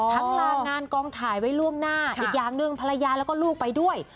ลางานกองถ่ายไว้ล่วงหน้าอีกอย่างหนึ่งภรรยาแล้วก็ลูกไปด้วย